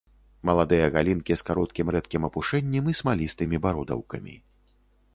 Маладыя галінкі з кароткім рэдкім апушэннем і смалістымі бародаўкамі.